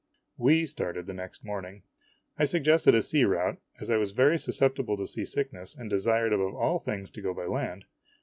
We started the next morning. I suggested a sea route, as I was very susceptible to seasickness and desired above all things to go by land.